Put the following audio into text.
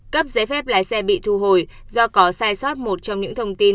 cấp giấy phép lái xe bị thu hồi do có sai sót một trong những thông tin